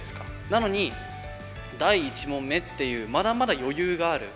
なのに第一問目っていうまだまだ余裕がある。